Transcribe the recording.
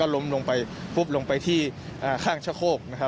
ล้มลงไปที่ข้างชะโคก